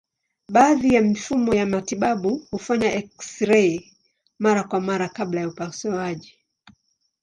Baadhi ya mifumo ya matibabu hufanya eksirei mara kwa mara kabla ya upasuaji.